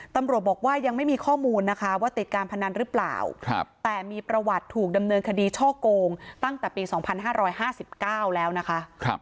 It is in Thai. ตำรวจบอกว่ายังไม่มีข้อมูลนะคะว่าติดการพนันหรือเปล่าแต่มีประวัติถูกดำเนินคดีช่อโกงตั้งแต่ปี๒๕๕๙แล้วนะคะ